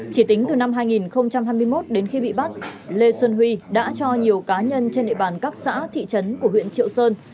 chỉ tính từ năm hai nghìn hai mươi một đến khi bị bắt lê xuân huy đã cho nhiều cá nhân trên địa bàn các xã thị trấn của huyện triệu sơn